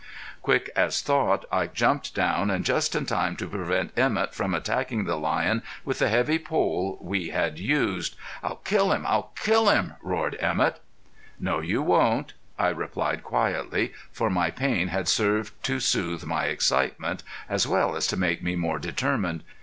Quick as thought I jumped down, and just in time to prevent Emett from attacking the lion with the heavy pole we had used. "I'll kill him! I'll kill him!" roared Emett. "No you won't," I replied, quietly, for my pain had served to soothe my excitement as well as to make me more determined.